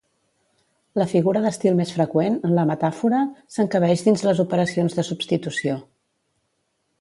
La figura d'estil més freqüent, la metàfora, s'encabeix dins les operacions de substitució.